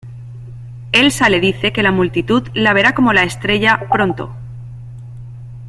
Elsa le dice que la multitud la verá como la estrella pronto.